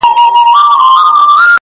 د خدای لپاره په ژړه نه کيږي ؛؛